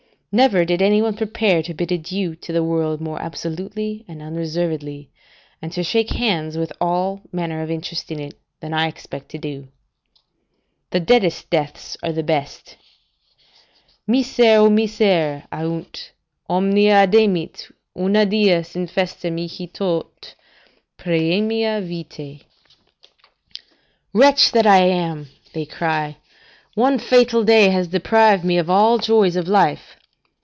Never did any one prepare to bid adieu to the world more absolutely and unreservedly, and to shake hands with all manner of interest in it, than I expect to do. The deadest deaths are the best: "'Miser, O miser,' aiunt, 'omnia ademit Una dies infesta mihi tot praemia vitae.'" ["'Wretch that I am,' they cry, 'one fatal day has deprived me of all joys of life.